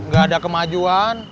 gak ada kemajuan